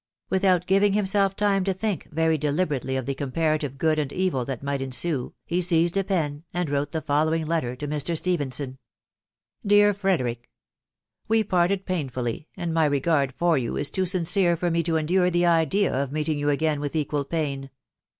Without giving him self time to think very deliberately of the comparative good and evil that might ensue, he seized a pen, and wrote the following letter to Mr. Stephenson. " Dear Frederick, " We parted painfully, and my regard for you is too sincere for me to endure the idea of meeting again with equal pain.